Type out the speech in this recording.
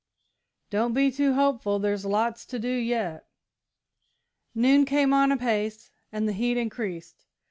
"Don't be too hopeful there's lots to do yet." Noon came on apace and the heat increased.